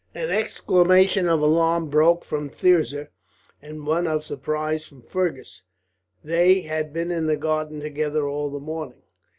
An exclamation of alarm broke from Thirza, and one of surprise from Fergus. They had been in the garden together all the morning.